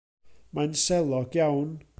Mae'n selog iawn.